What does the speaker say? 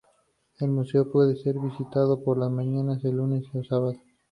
El museo puede ser visitado por la mañana de lunes a sábado.